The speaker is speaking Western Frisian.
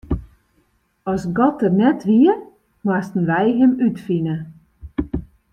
As God der net wie, moasten wy Him útfine.